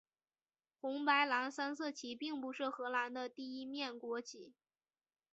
红白蓝三色旗并不是荷兰的第一面国旗。